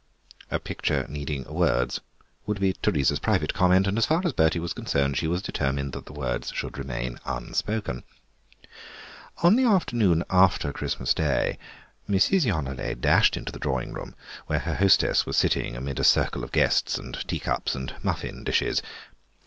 "A picture needing words," would be Teresa's private comment, and as far as Bertie was concerned she was determined that the words should remain unspoken. On the afternoon after Christmas Day Mrs. Yonelet dashed into the drawing room, where her hostess was sitting amid a circle of guests and teacups and muffin dishes.